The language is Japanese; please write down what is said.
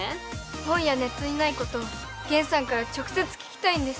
本やネットにないことをゲンさんから直接聞きたいんです。